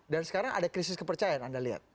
dan sekarang ada krisis kepercayaan anda lihat